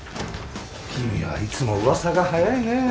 君はいつも噂が早いね。